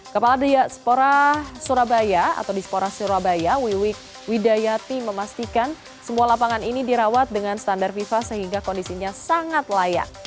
kepala diaspora surabaya atau dispora surabaya wiwik widayati memastikan semua lapangan ini dirawat dengan standar fifa sehingga kondisinya sangat layak